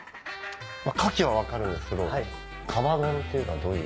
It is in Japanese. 牡蠣は分かるんですけどカバ丼っていうのはどういう？